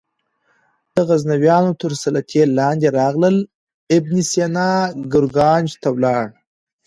د غزنویانو تر سلطې لاندې راغلل ابن سینا ګرګانج ته ولاړ.